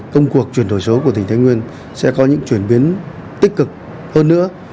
công cuộc chuyển đổi số của tỉnh thái nguyên sẽ có những chuyển biến tích cực hơn nữa